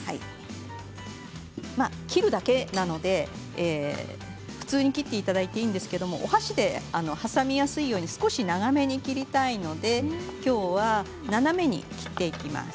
切るだけなので普通に切っていただいていいんですけどお箸で挟みやすいように少し長めに切りたいのできょうは斜めに切っていきます。